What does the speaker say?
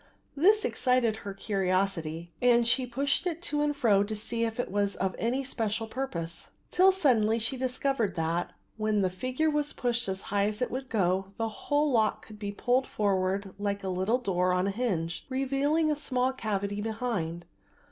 This excited her curiosity and she pushed it to and fro to see if it was for any special purpose, till suddenly she discovered that, when the figure was pushed as high as it would go, the whole lock could be pulled forward like a little door on a hinge, revealing a small cavity behind.